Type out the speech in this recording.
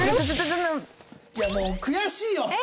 いやもう悔しいよ。